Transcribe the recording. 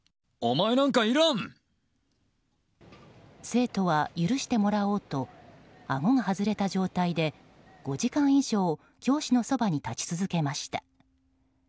生徒は許してもらおうとあごが外れた状態で５時間以上教師のそばに立ち続けました。